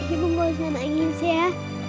ibu gak usah nangis ya